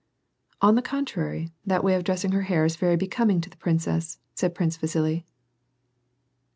" On the contrary, that way of dressing her hair is very be coming to the princess," said Prince Vasili.